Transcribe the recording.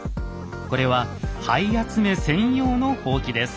これは灰集め専用のほうきです。